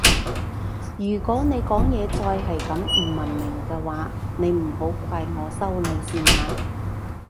如果你講嘢再係咁唔文明嘅話你唔好怪我收你線吓